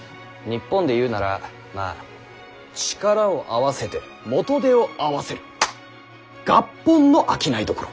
日本で言うならまあ力を合わせて元手を合わせる合本の商い所。